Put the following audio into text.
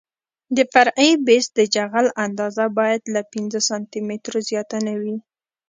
د فرعي بیس د جغل اندازه باید له پنځه سانتي مترو زیاته نه وي